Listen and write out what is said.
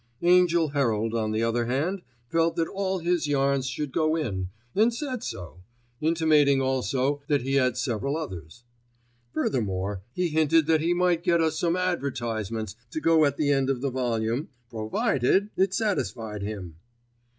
Angell Herald, on the other hand, felt that all his yarns should go in, and said so, intimating also that he had several others. Furthermore he hinted that he might get us some advertisements to go at the end of the volume, provided it satisfied him!